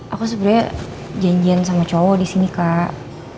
aku sebenernya janjian sama cowok disini kak